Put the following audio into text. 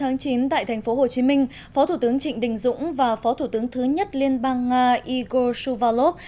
ngày tám chín tại tp hcm phó thủ tướng trịnh đình dũng và phó thủ tướng thứ nhất liên bang nga igor suvalov